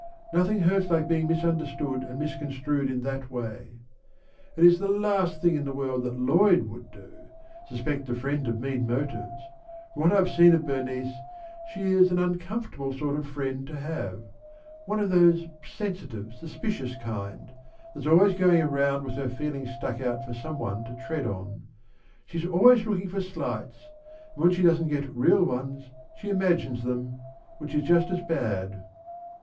Nothing hurts like being misunderstood and misconstrued in that way. It is the last thing in the world that Lloyd would do suspect a friend of mean motives. From what I've seen of Bernice, she is an uncomfortable sort of a friend to have; one of the sensitive, suspicious kind that's always going around with her feelings stuck out for somebody to tread on. She's always looking for slights, and when she doesn't get real ones, she imagines them, which is just as bad."